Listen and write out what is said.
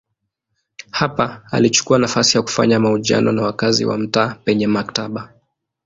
Hapa alichukua nafasi ya kufanya mahojiano na wakazi wa mtaa penye maktaba.